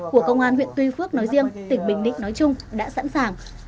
của công an huyện tuy phước nói riêng tỉnh bình định nói chung đã sẵn sàng